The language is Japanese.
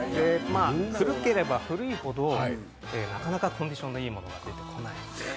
古ければ古いほどなかなかコンディションのいいものは出てこないですね。